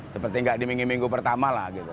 seperti tidak di minggu minggu pertama